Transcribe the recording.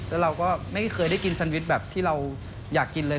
แล้วเราก็ไม่เคยได้กินแซนวิชแบบที่เราอยากกินเลย